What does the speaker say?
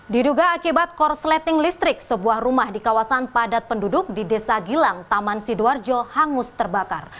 diduga akibat korsleting listrik sebuah rumah di kawasan padat penduduk di desa gilang taman sidoarjo hangus terbakar